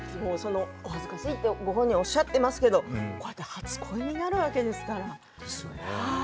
恥ずかしいと、ご本人おっしゃってますけどこれで初恋になるわけですから。